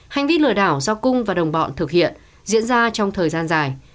hành vi lừa đảo do cung và đồng bọn thực hiện diễn ra trong thời gian dài